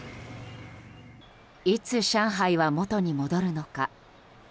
いつ上海は元に戻るのか。